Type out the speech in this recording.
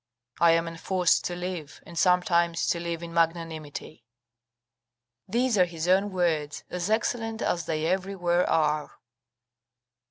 I am enforced to live, and sometimes to live in magnanimity." These are his own words, as excellent as they everywhere are.